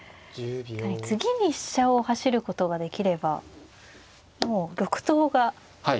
次に飛車を走ることができればもう玉頭が危ないですね。